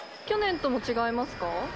去年とは違いますか？